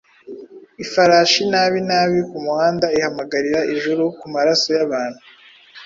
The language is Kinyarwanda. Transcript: Ifarashi nabi nabi kumuhanda Ihamagarira Ijuru kumaraso yabantu.